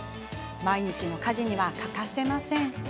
毎日の家事には欠かせません。